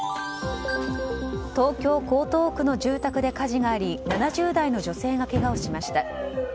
東京・江東区の住宅で火事があり７０代の女性がけがをしました。